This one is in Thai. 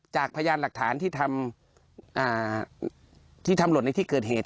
จากพยานหลักฐานที่ทำที่ทำหลดในที่เกิดเหตุ